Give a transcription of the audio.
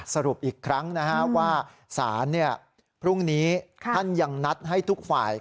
สรุปอีกครั้งว่าสารพรุ่งนี้ท่านยังนัดให้ทุกฝ่าย